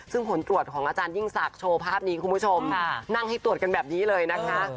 ซึ่งผลตรวจของอาจารยิ่งศักดิ์โชว์ภาพนี้คุณผู้ชมนั่งให้ตรวจกันแบบนี้เลยนะคะ